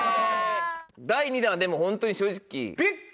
第２弾はでもホントに正直。